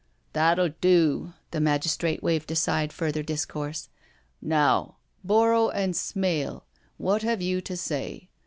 ..."" That'll do/* the magistrate waved aside further dbcourse. " Now, Borrow and Smale, what have you to say?